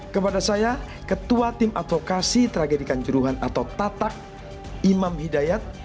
kepada saya ketua tim advokasi tragedikan juruhan atau tatak imam hidayat